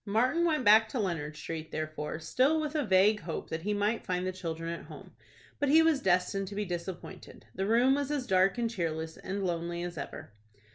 Martin went back to Leonard Street, therefore, still with a vague hope that he might find the children at home. But he was destined to be disappointed. The room was as dark and cheerless and lonely as ever.